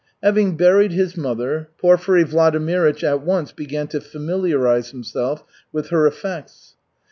Having buried his mother, Porfiry Vladimirych at once began to familiarize himself with her effects.